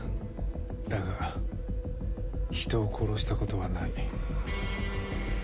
だが人を殺したことはない。